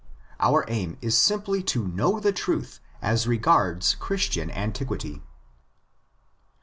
Our aim is simply to know the truth as regards Christian antiquity.